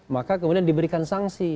maka kemudian diberikan sanksi